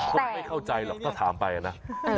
จะไม่เข้าใจหรอกถ้าถามไปก่อนนะ